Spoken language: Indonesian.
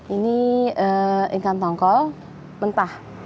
ini ikan tongkol mentah